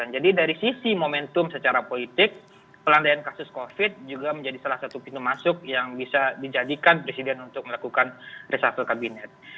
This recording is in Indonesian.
jadi dari sisi momentum secara politik pelandaian kasus covid sembilan belas juga menjadi salah satu pintu masuk yang bisa dijadikan presiden untuk melakukan reshuffle kabinet